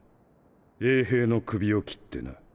衛兵の首を切ってな。